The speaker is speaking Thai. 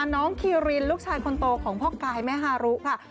คีรินลูกชายคนโตของพ่อกายแม่ฮารุค่ะ